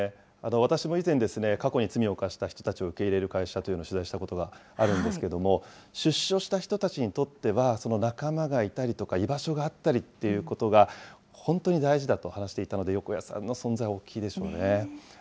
私も以前、過去に罪を犯した人たちを受け入れる会社というのを取材したことがあるんですけれども、出所した人たちにとっては、その仲間がいたりとか、居場所があったりっていうことが、本当に大事だと話していたので、横家さんの存在は大きいでしょうね。